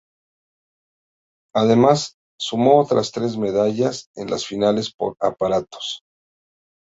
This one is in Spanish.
Además sumó otras tres medallas en las finales por aparatos.